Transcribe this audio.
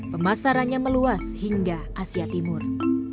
pemasarannya meluas hingga asia timur